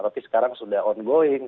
tapi sekarang sudah on going